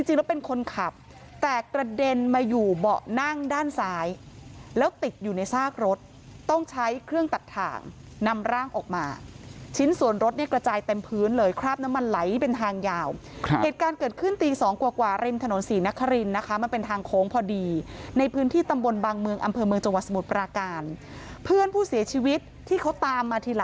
จริงแล้วเป็นคนขับแต่กระเด็นมาอยู่เบาะนั่งด้านซ้ายแล้วติดอยู่ในซากรถต้องใช้เครื่องตัดถ่างนำร่างออกมาชิ้นส่วนรถเนี่ยกระจายเต็มพื้นเลยคราบน้ำมันไหลเป็นทางยาวเหตุการณ์เกิดขึ้นตีสองกว่ากว่าริมถนนศรีนครินนะคะมันเป็นทางโค้งพอดีในพื้นที่ตำบลบางเมืองอำเภอเมืองจังหวัดสมุทรปราการเพื่อนผู้เสียชีวิตที่เขาตามมาที